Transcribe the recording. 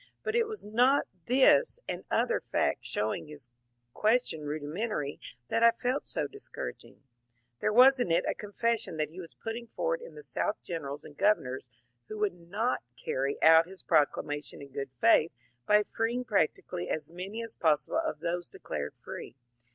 But it was not this and other facts show ing his question rudimentary that I felt so discouraging: there was in it a confession that he was putting forward in the South generals and governors who would not carry out his proclamation in good faith by freeing practically as many as possible of those declared free.